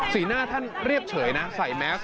สีหน้าท่านเรียบเฉยนะใส่แม็กซ์